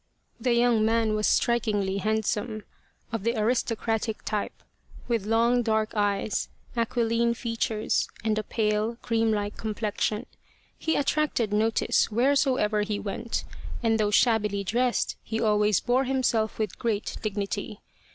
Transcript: The young man was strikingly handsome. Of the aristocratic type, with long dark eyes, aquiline features and a pale, cream like complexion, he attracted notice wheresoever he went, and though shabbily dressed he always bore himself with great dignity.